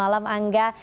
selamat malam angga